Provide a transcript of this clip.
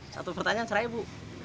satu pertanyaan seribu